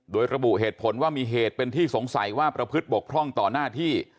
โดยระบุเหตุผลว่ามีเหตุเป็นที่สงสัยว่าประพฤติบกพร่องต่อหน้าที่